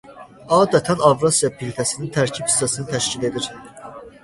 Adətən Avrasiya plitəsinin tərkib hissəsini təşkil edir.